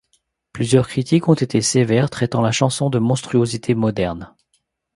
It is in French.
Plusieurs critiques ont été sévères traitant la chanson de monstruosité moderne.